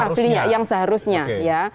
aslinya yang seharusnya ya